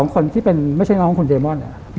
คนที่เป็นไม่ใช่น้องคุณเดมอน